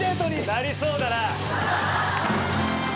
なりそうだな。